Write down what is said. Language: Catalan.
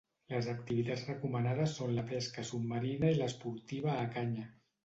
Les activitats recomanades són la pesca submarina i l'esportiva a canya.